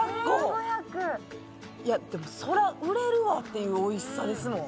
いやでもそりゃ売れるわ！っていう美味しさですもん。